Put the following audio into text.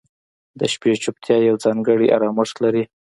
• د شپې چوپتیا یو ځانګړی آرامښت لري.